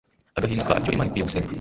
agahinduka atyo imana ikwiye gusengwa